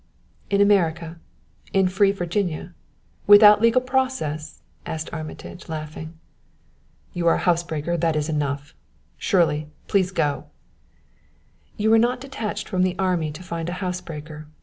"In America in free Virginia without legal process?" asked Armitage, laughing. "You are a housebreaker, that is enough. Shirley, please go!" "You were not detached from the army to find a housebreaker.